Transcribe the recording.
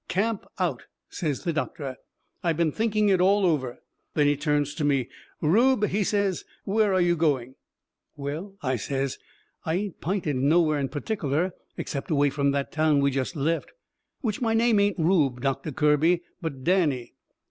"Camp out," says the doctor. "I've been thinking it all over." Then he turns to me. "Rube," he says, "where are you going?" "Well," I says, "I ain't pinted nowhere in pertic'ler except away from that town we just left. Which my name ain't Rube, Doctor Kirby, but Danny."